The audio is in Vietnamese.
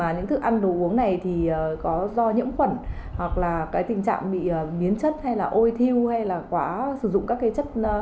những thức ăn đồ uống này có do nhiễm khuẩn hoặc tình trạng bị biến chất ôi thiêu hay quá sử dụng các chất